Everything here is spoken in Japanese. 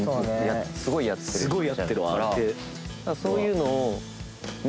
すごいやってるわ。